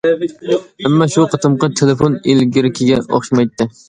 ئەمما شۇ قېتىمقى تېلېفون ئىلگىرىكىگە ئوخشىمايتتى.